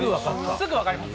すぐ分かりました。